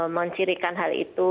mencirikan hal itu